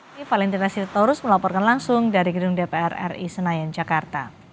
kita terus melaporkan langsung dari gedeung dpr ri senayan jakarta